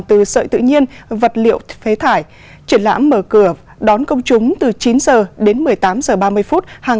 từ sợi tự nhiên vật liệu phế thải triển lãm mở cửa đón công chúng từ chín h đến một mươi tám h ba mươi hàng